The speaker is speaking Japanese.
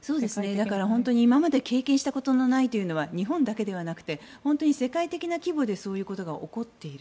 本当に今まで経験したことがないというのは日本だけじゃなくて本当に世界的な規模でそういうことが起こっている。